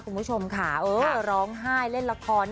คุณผู้ชมค่ะเออร้องไห้เล่นละคร